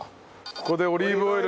ここでオリーブオイル。